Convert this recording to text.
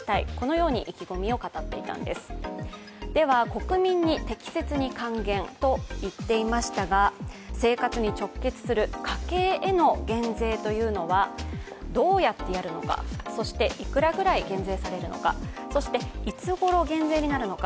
国民に適切に還元といっていましたが、生活に影響する家計への減税というのは、どうやってやるのかそしていくらぐらい減税されるのか、そしていつごろ減税されるのか。